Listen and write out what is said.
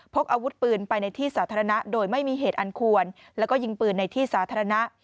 พกอาวุธปืนไปในที่สาธารณะโดยไม่มีเหตุอันควรแล้วก็ยิงปืนในที่สาธารณะ